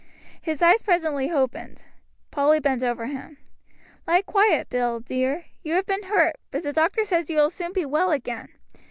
His eyes presently opened. Polly bent over him. "Lie quiet, Bill, dear; you have been hurt, but the doctor says you will soon be well again.